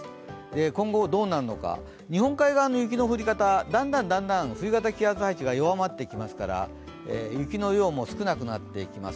今後どうなるのか、日本海側の雪の降り方、だんだんだんだん冬型気圧配置が弱まってきますから雪の量も少なくなってきます。